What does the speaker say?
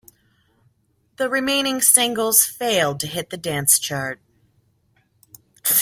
The remaining singles failed to hit the dance chart.